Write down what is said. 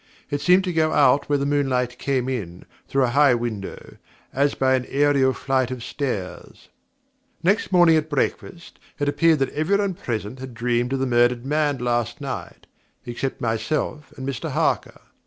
It seemed to go out where the moonlight came in, through a high window, as by an aërial flight of stairs. Next morning at breakfast, it appeared that everybody present had dreamed of the murdered man last night, except myself and Mr Harker.